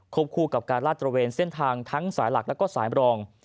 คู่กับการลาดตระเวนเส้นทางทั้งสายหลักแล้วก็สายรอง